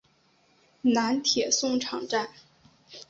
南铁送场站。